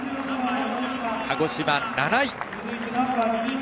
鹿児島、７位。